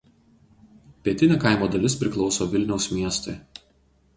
Pietinė kaimo dalis priklauso Vilniaus miestui.